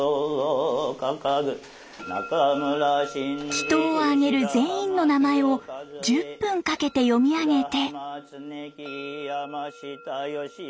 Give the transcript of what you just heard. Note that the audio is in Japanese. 祈祷をあげる全員の名前を１０分かけて読み上げて。